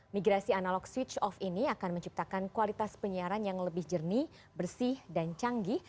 migrasi analog switch off ini akan menciptakan kualitas penyiaran yang lebih jernih bersih dan canggih